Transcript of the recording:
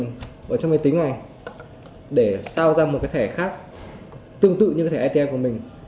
sử dụng phần mềm ở trong máy tính này để sao ra một cái thẻ khác tương tự như cái thẻ atm của mình